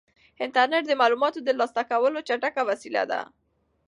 انټرنيټ د معلوماتو د ترلاسه کولو چټکه وسیله ده.